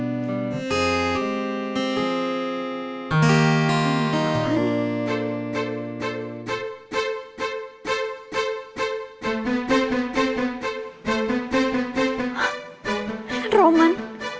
ini kan roman